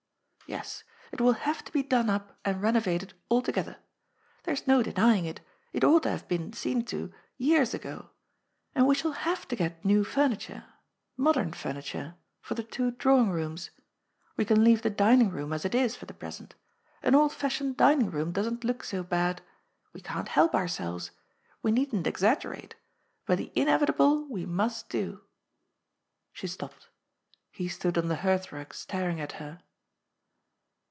Yes, it will have to be done up and renovated altogether. There's no denying it : it ought to have been seen to years ago. And we shall have to get new furniture — ^modern furniture — for the two drawing rooms. We can leave the dining room as it is for the present. An old fashioned dining room doesn't look so bad. We can't help ourselves. We needn't ex aggerate. But the inevitable we must do." She stopped. He stood on the hearthrug staring at her.